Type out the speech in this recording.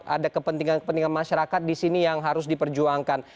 ada kepentingan kepentingan masyarakat di sini yang harus diperjuangkan